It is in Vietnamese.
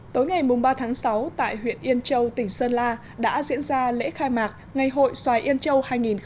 tối ngày ba tháng sáu tại huyện yên châu tỉnh sơn la đã diễn ra lễ khai mạc ngày hội xoài yên châu hai nghìn một mươi chín